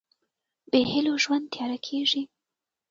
بېهيلو ژوند تیاره کېږي.